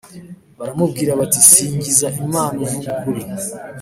baramubwira bati singiza Imanag uvuga ukuri